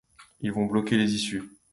Ils vont bloquer les issues.